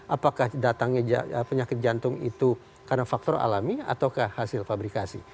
apakah datangnya penyakit jantung itu karena faktor alami ataukah hasil pabrikasi